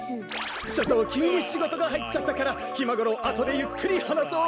ちょっときゅうにしごとがはいっちゃったからひまごろうあとでゆっくりはなそう。